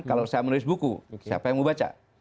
kalau saya menulis buku siapa yang mau baca